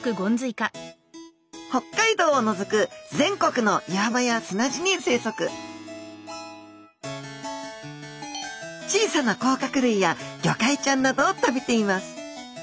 北海道を除く全国の岩場や砂地に生息小さな甲殻類やギョカイちゃんなどを食べています